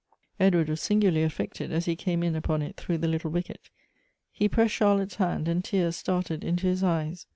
Edward was singularly affected as he came in upon it through the little wicket ; he pressed Charlotte's hand, and tears started into his eyes.